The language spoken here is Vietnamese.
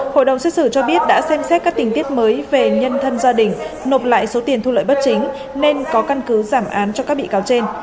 hội đồng xét xử cho biết đã xem xét các tình tiết mới về nhân thân gia đình nộp lại số tiền thu lợi bất chính nên có căn cứ giảm án cho các bị cáo trên